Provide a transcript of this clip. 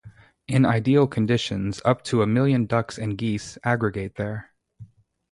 In ideal conditions, up to a million ducks and geese aggregate there.